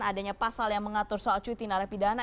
adanya pasal yang mengatur soal cuti narapidana